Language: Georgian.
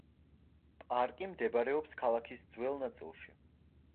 პარკი მდებარეობს ქალაქის ძველ ნაწილში.